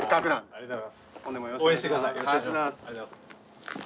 ありがとうございます。